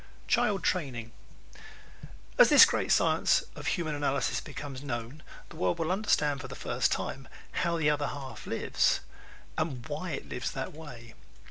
Child Training ¶ As this great science of Human Analysis becomes known the world will understand for the first time "how the other half lives," and why it lives that way.